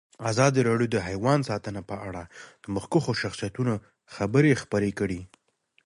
ازادي راډیو د حیوان ساتنه په اړه د مخکښو شخصیتونو خبرې خپرې کړي.